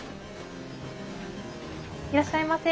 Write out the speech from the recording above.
いらっしゃいませ。